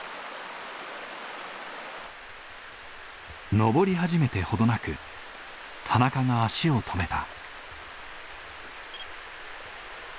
登り始めて程なく田中が足を止めた。